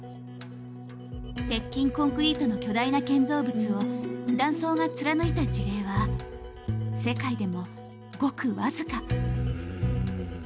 鉄筋コンクリートの巨大な建造物を断層が貫いた事例は世界でもごく僅か。